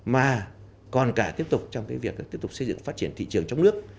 mà còn cả tiếp tục trong việc tiếp tục xây dựng phát triển thị trường trong nước